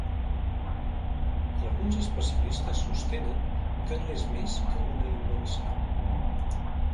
Alguns especialistes sostenen que no és més que una invenció.